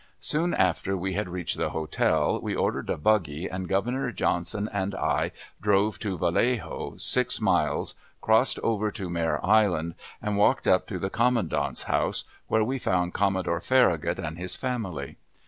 Soon after we had reached the hotel, we ordered a buggy, and Governor Johnson and I drove to Vallejo, six miles, crossed over to Mare Island, and walked up to the commandant's house, where we found Commodore Farragut and his family.